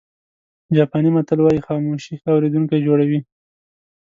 جاپاني متل وایي خاموشي ښه اورېدونکی جوړوي.